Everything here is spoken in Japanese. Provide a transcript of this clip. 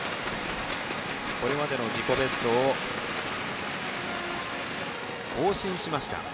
これまでの自己ベストを更新しました